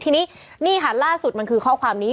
ทีนี้นี่ค่ะล่าสุดมันคือข้อความนี้